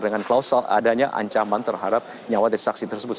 dengan klausul adanya ancaman terhadap nyawa dari saksi tersebut